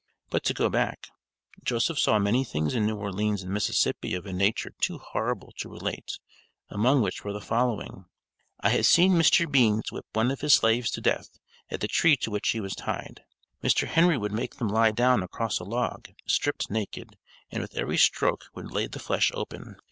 But to go back, Joseph saw many things in New Orleans and Mississippi of a nature too horrible to relate, among which were the following: I have seen Mr. Beans whip one of his slaves to death, at the tree to which he was tied. Mr. Henry would make them lie down across a log, stripped naked, and with every stroke would lay the flesh open.